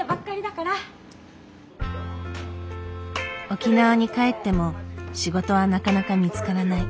沖縄に帰っても仕事はなかなか見つからない。